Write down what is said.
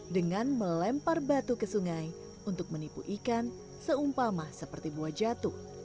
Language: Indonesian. dengan melempar batu ke sungai untuk menipu ikan seumpama seperti buah jatuh